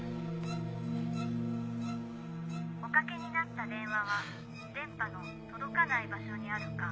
「おかけになった電話は電波の届かない場所にあるか」